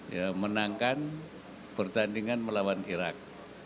ya menangkan pertandingan melawan irak